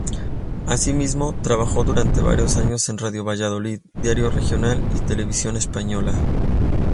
Asimismo, trabajó durante varios años en Radio Valladolid, "Diario Regional" y Televisión Española.